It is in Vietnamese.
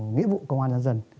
nghĩa vụ công an nhân dân